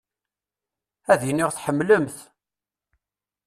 Ad iniɣ tḥemmlem-t.